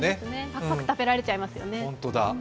パクパク食べられちゃいますよね。